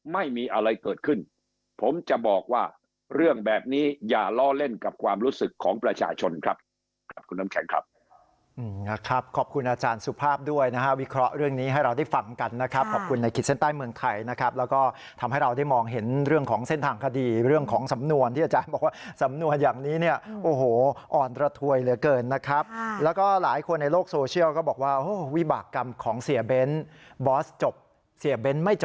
ไม่มีอะไรเกิดขึ้นผมจะบอกว่าเรื่องแบบนี้อย่าล้อเล่นกับความรู้สึกของประชาชนครับครับคุณน้องแชงครับครับขอบคุณอาจารย์สุภาพด้วยนะฮะวิเคราะห์เรื่องนี้ให้เราได้ฟังกันนะครับขอบคุณในคิดเส้นใต้เมืองไทยนะครับแล้วก็ทำให้เราได้มองเห็นเรื่องของเส้นทางคดีเรื่องของสำนวนที่อาจารย์บอกว่าสำนวนอย